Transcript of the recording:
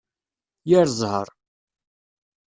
Yir zzheṛ!